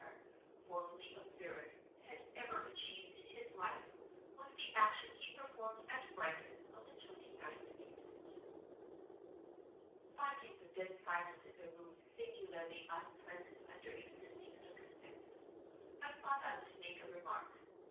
formerly of Zurich, had ever achieved in his life was the action he performed at Brighton on the 29th instant. Finding the dead silence in the room singularly unpleasant under existing circumstances, I thought I would make a remark.